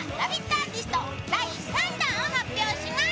アーティスト第３弾を発表します。